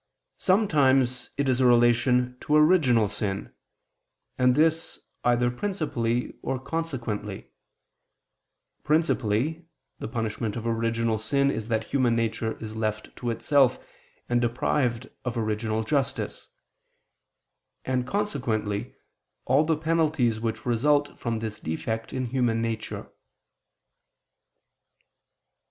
Sometimes it is a relation to original sin: and this, either principally or consequently principally, the punishment of original sin is that human nature is left to itself, and deprived of original justice: and consequently, all the penalties which result from this defect in human nature.